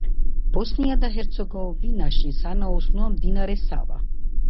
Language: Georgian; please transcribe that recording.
ბოსნია და ჰერცეგოვინაში სანაოსნოა მდინარე სავა.